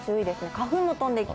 花粉も飛んできて。